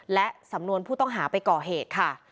และสำนวนผู้ต้องหาไปก่อเหตุค่ะ